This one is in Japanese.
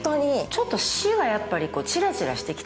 ちょっと「死」がやっぱりチラチラしてきたんだよね。